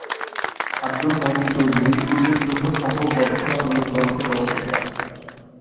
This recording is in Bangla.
আবদুল মমিন চৌধুরী উল্লেখযোগ্য সংখ্যক গবেষণামূলক গ্রন্থের রচয়িতা।